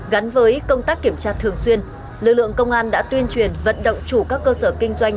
gắn với công tác kiểm tra thường xuyên lực lượng công an đã tuyên truyền vận động chủ các cơ sở kinh doanh